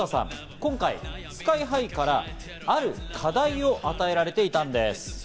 今回ＳＫＹ−ＨＩからある課題を与えられていたんです。